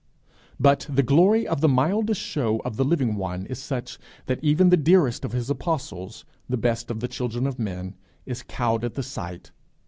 But the glory of the mildest show of the Living One is such, that even the dearest of his apostles, the best of the children of men, is cowed at the sight.